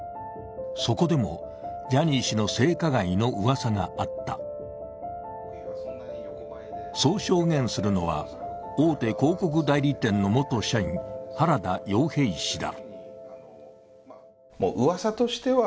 そこでもジャニー氏の性加害のうわさがあったそう証言するのは、大手広告代理店の元社員、原田曜平氏だ。